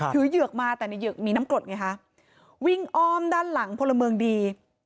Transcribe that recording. เหยือกมาแต่ในเหยือกมีน้ำกรดไงคะวิ่งอ้อมด้านหลังพลเมืองดี